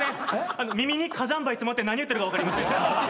耳に火山灰詰まって何言ってるか分かりません。